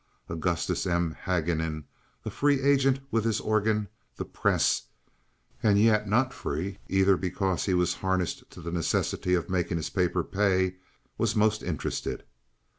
Augustus M. Haguenin, a free agent with his organ, the Press, and yet not free, either, because he was harnessed to the necessity of making his paper pay, was most interested.